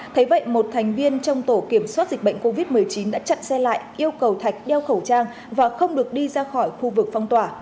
thấy vậy một thành viên trong tổ kiểm soát dịch bệnh covid một mươi chín đã chặn xe lại yêu cầu thạch đeo khẩu trang và không được đi ra khỏi khu vực phong tỏa